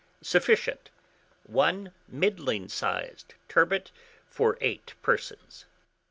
Sufficient, 1 middling sized turbot for 8 persons.